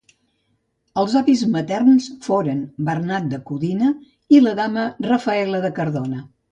Els avis materns foren Bernat de Codina i la dama Rafaela de Cardona.